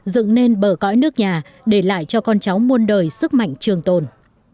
dựng nên bờ cõi nước nhà để lại cho con cháu muôn đời sức mạnh trường tồn